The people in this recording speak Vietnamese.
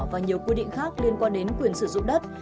và nhiều quy định khác liên quan đến quyền sử dụng đất